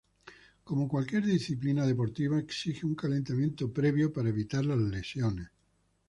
Como cualquier disciplina deportiva, exige un calentamiento previo para evitar las lesiones.